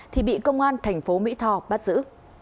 thì bị công an thành phố mỹ tho bắt giữ